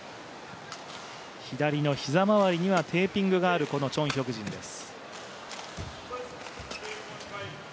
左の膝まわりにはテーピングがあるチョン・ヒョクジンです。